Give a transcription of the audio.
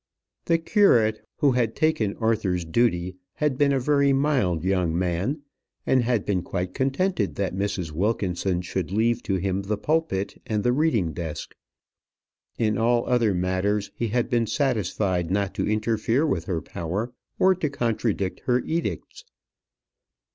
The curate who had taken Arthur's duty had been a very mild young man, and had been quite contented that Mrs. Wilkinson should leave to him the pulpit and the reading desk. In all other matters he had been satisfied not to interfere with her power, or to contradict her edicts.